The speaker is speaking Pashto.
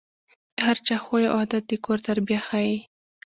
د هر چا خوی او عادت د کور تربیه ښيي.